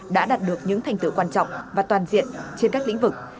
đã đạt được những thành tựu quan trọng và toàn diện trên các lĩnh vực